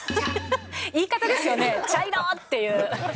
言い方ですよね、茶色！っていう。